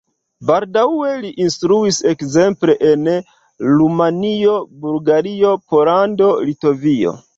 Baldaŭe li instruis ekzemple en Rumanio, Bulgario, Pollando, Litovio.